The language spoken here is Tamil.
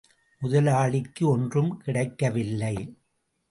முதலாளிக்கு ஒன்றும் கிடைக்கவில்லை.